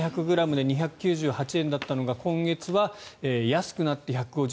７００ｇで２９８円だったのが今月は安くなって１５８円。